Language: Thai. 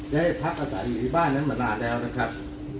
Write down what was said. ได้พักอาศัยอยู่ที่บ้านนั้นมานานแล้วนะครับ